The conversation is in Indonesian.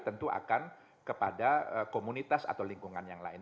tentu akan kepada komunitas atau lingkungan yang lain